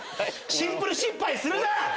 シンプル失敗するな！